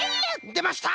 でました！